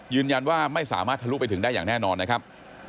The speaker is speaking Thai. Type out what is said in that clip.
ยืนยันว่าไม่สามารถทะลุไปถึงได้อย่างแน่นอนนะครับ